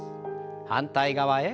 反対側へ。